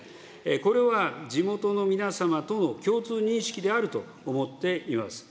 これは地元の皆様との共通認識であると思っています。